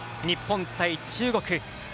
日本対中国。